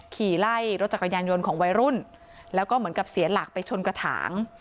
ขี่ไล่รถจักรยานยนต์ของวัยรุ่นแล้วก็เหมือนกับเสียหลักไปชนกระถาง